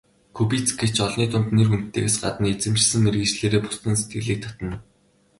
Кубицчек олны дунд нэр хүндтэйгээс гадна эзэмшсэн мэргэжлээрээ бусдын сэтгэлийг татна.